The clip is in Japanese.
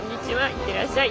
いってらっしゃい。